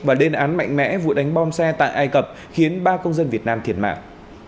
và lên án mạnh mẽ vụ đánh bom xe tại ai cập khiến ba công dân việt nam thiệt mạng